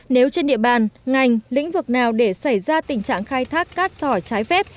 nếu trên địa bàn ngành lĩnh vực nào để xảy ra tình trạng khai thác cát sỏi trái phép